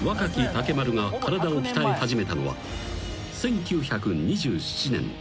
竹丸が体を鍛え始めたのは１９２７年］